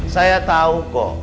saya tau kok